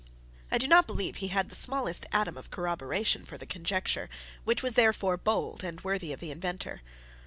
I do not believe he had the smallest atom of corroboration for the conjecture, which therefore was bold and worthy of the inventor.